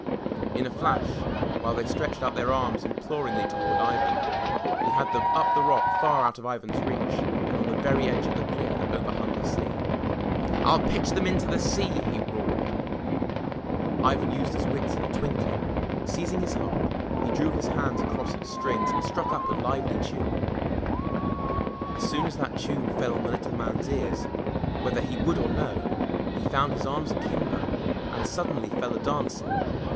In a flash, while they stretched out their arms imploringly toward Ivan, he had them up the rock far out of Ivan's reach, and on the very edge of the cliff that overhung the sea. "ril pitch them into the sea!" he roared. 34 THE TREASURE CHEST Ivan used his wits in a twinkling. Seizing his harp, he drew his hands across its strings and struck up a lively tune. As soon as that tune fell on the little man's ears, whether he would or no, he found his arms akimbo, and suddenly fell a dancing.